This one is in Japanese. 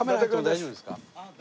大丈夫です。